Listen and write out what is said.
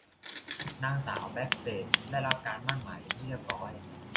นางสาว แบสเส็ตท์ ได้รับการหมั้นหมายเป็นที่เรียบร้อย